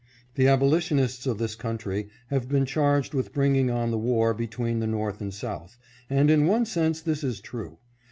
The abolitionists of this country have been charged with bringing on the war between the North and South, and in one sense this is true.